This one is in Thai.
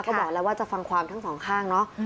ก็บอกแล้วว่าจะฟังความทั้งสองข้างเนาะ